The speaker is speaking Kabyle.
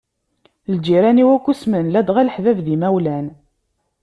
Lǧiran-iw akk usmen, ladɣa leḥbab d yimawlan.